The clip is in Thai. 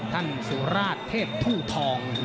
ท่านสุราชเทพทู่ทอง